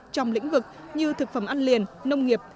trong lĩnh vực như thực phẩm ăn liền nông nghiệp